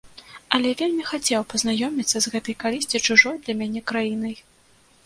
Але вельмі хацеў пазнаёміцца з гэтай калісьці чужой для мяне краінай.